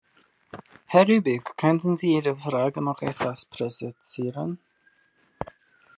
Herr Rübig, könnten Sie Ihre Frage noch etwas präzisieren?